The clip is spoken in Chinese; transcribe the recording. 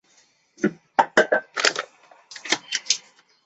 大部份物种会发生两性异形。